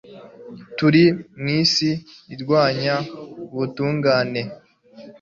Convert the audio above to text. Turi mu isi irwanya ubutungane